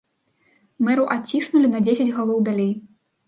Мэру адціснулі на дзесяць галоў далей.